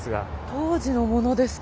当時のものですか。